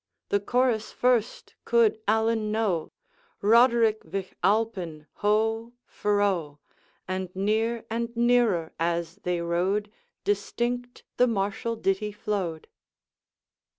The chorus first could Allan know, 'Roderick Vich Alpine, ho! fro!' And near, and nearer as they rowed, Distinct the martial ditty flowed.